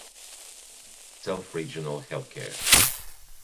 Self Regional Healthcare